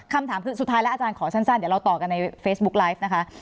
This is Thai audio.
คำถามคือสุดท้ายแล้วอาจารย์ขอสั้นเดี๋ยวเราต่อกันในเฟซบุ๊กไลฟ์นะคะ